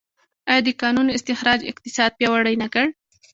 آیا د کانونو استخراج اقتصاد پیاوړی نه کړ؟